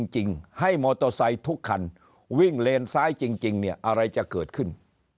ให้มอเตอร์ไซค์ทุกคันวิ่งเลนซ้ายจริงเนี่ยอะไรจะเกิดขึ้น